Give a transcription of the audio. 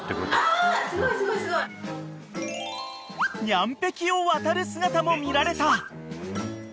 ［にゃん壁を渡る姿も見られた］